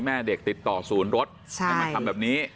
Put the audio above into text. แม่เด็กติดต่อศูนย์รถให้มาทำแบบนี้